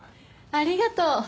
ありがとう。